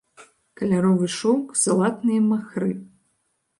Каляровы шоўк, залатныя махры.